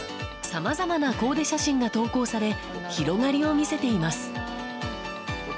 さまざまなコーデ写真が投稿され広がりを見せています。